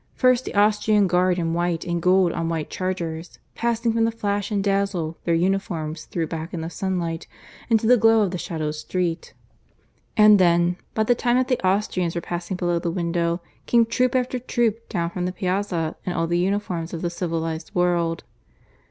First the Austrian guard in white and gold on white chargers passing from the flash and dazzle their uniforms threw back in the sunlight into the glow of the shadowed street. And then, by the time that the Austrians were passing below the window, came troop after troop down from the piazza in all the uniforms of the civilized world.